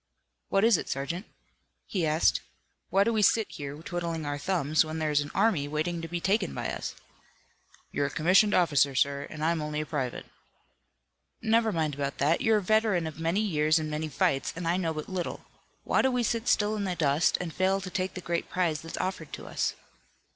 "What is it, sergeant?" he asked. "Why do we sit here, twiddling our thumbs when there is an army waiting to be taken by us?" "You're a commissioned officer, sir, and I'm only a private." "Never mind about that. You're a veteran of many years and many fights, and I know but little. Why do we sit still in the dust and fail to take the great prize that's offered to us?"